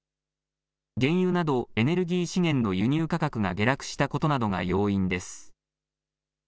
原油などエネルギー資源の輸入価格が下落したことなどが要因です。